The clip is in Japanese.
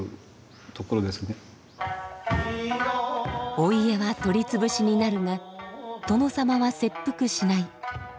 お家は取りつぶしになるが殿様は切腹しない。